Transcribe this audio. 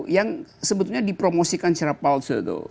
yang sebetulnya dipromosikan secara palsu itu